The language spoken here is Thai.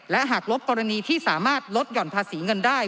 และหากลบกรณีที่สามารถลดหย่อนภาษีเงินได้